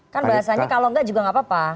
kan bahasanya kalau enggak juga nggak apa apa